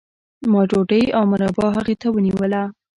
ما ډوډۍ او مربا هغې ته ونیوله